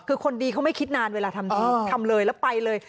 คือคนดีเขาไม่คิดนานเวลาทำดีทำเลยแล้วไปเลย